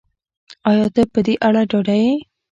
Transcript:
ایا ته په دې اړه ډاډه یې